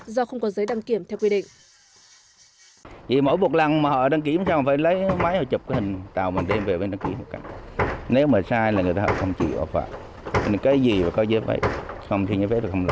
do không có giấy đăng kiểm theo quy định